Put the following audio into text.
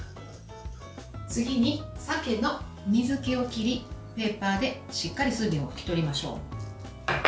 次に、鮭の水けを切りペーパーでしっかり水分を拭き取りましょう。